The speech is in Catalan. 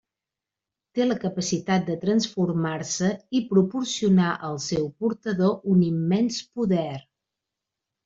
Té la capacitat de transformar-se i proporcionar al seu portador un immens poder.